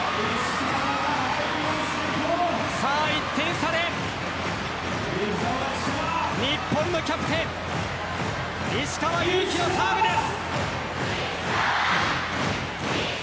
さあ１点差で日本のキャプテン石川祐希のサーブです。